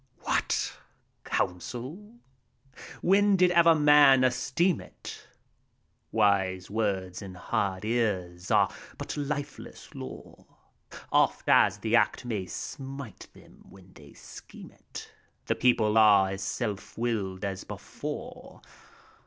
NEREUS. What I Counsel t When did ever men esteem itf Wise words in hard ears are but lifeless lore. Oft as the Act may smite them when they scheme it, The People are as self willed as before.